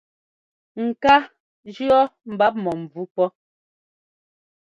Ŋ́kaa jʉ́ɔ mbap̧ -mɔ̂mvú pɔ́.